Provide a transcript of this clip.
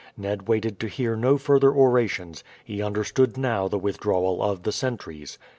Ned waited to hear no further orations, he understood now the withdrawal of the sentries.